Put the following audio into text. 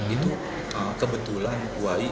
itu kebetulan uai